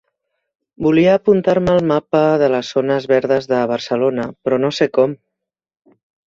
Volia apuntar-me al mapa de les zones verdes de Barcelona, però no sé com.